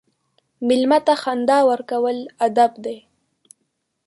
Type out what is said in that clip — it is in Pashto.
مېلمه ته خندا ورکول ادب دی.